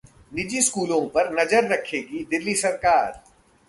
निजी स्कूलों पर नजर रखेगी दिल्ली सरकार